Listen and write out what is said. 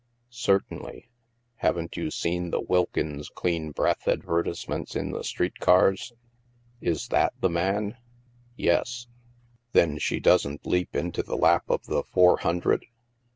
" Certainly. Haven't you seen the ' Wilkins clean breath ' advertisements in the street cars ?" "Is that the man?" " Yes." "Then she doesn't leap into the lap of the four hundred?"